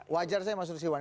wajar saya maksud si wan